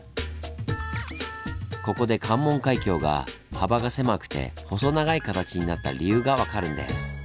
ここで関門海峡が幅が狭くて細長い形になった理由が分かるんです。